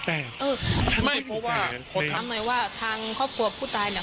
ไม่เพราะว่าความทรงจำหน่อยว่าทางครอบครัวผู้ตายเนี่ย